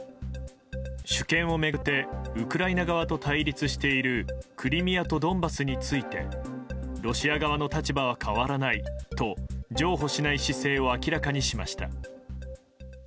主権を巡ってウクライナ側と対立しているクリミアとドンバスについてロシア側の立場は変わらないと譲歩しない姿勢を明らかにしました。